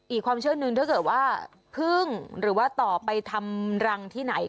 อีกความเชื่อนึงถ้าเกิดว่าพึ่งหรือว่าต่อไปทำรังที่ไหน